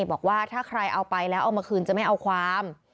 บอกว่าถ้าใครเอาไปแล้วเอามาคืนจะไม่เอาความ